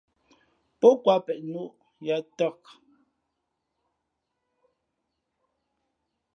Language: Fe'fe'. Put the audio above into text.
Pó kwāt peʼ nō yāā tāk.